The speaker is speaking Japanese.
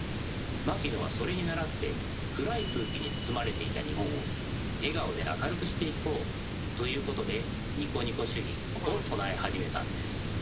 牧野はそれに倣って暗い空気に包まれていた日本を笑顔で明るくしていこうということでニコニコ主義を唱え始めたんです。